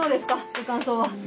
ご感想は？